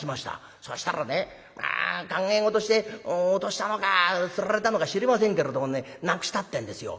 そしたらねまあ考え事して落としたのかすられたのか知りませんけれどもねなくしたってんですよ。